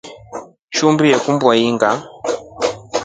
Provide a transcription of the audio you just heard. Shumbi ulikumba ilinga ?